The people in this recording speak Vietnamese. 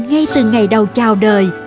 ngay từ ngày đầu chào đời